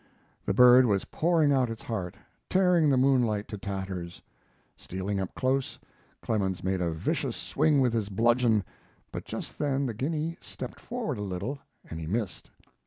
The bird was pouring out its heart, tearing the moonlight to tatters. Stealing up close, Clemens made a vicious swing with his bludgeon, but just then the guinea stepped forward a little, and he missed.